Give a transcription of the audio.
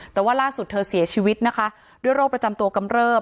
แต่ว่าล่าสุดเธอเสียชีวิตนะคะด้วยโรคประจำตัวกำเริบ